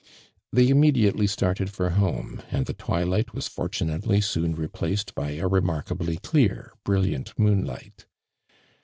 They immediately started for home, and the twilight was fortunately soon replaced by a remarkably clear, brilliant moonlight.